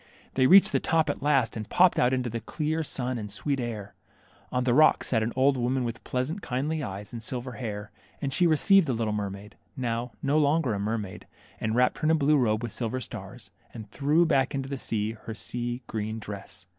They reached the top at last, and popped out into the clear sun and sweet air. On the rocks sat an old woman with pleasant, kindly eyes and silver hair ; and she received the little mermaid, now no longer a mermaid, and wrapped her in a blue robe with silver stars, and threw back into the sea her sea green dress.